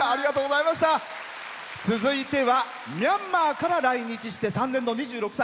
続いてはミャンマーから来日して３年の２６歳。